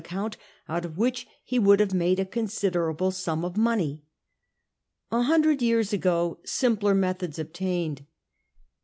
account, out of which he would have made a considerable sum of money. A hundred years ago simpler methods obtained.